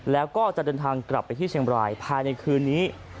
แล้วก็จะเดินทางกลับไปที่เชียงบรายภายในคืนนี้